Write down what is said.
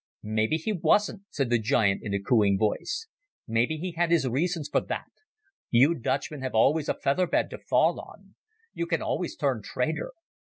"Maybe he wasn't," said the giant in a cooing voice; "maybe he had his reasons for that. You Dutchmen have always a feather bed to fall on. You can always turn traitor.